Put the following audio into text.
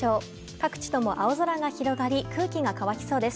各地とも青空が広がり空気が乾きそうです。